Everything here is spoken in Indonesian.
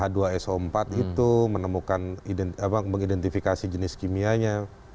novel t empat itu menemukan identifikasi jenis kimianya